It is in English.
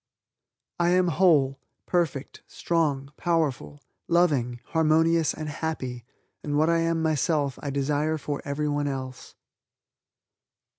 "I am whole, perfect, strong, powerful, loving, harmonious and happy and what I am myself I desire for everyone else."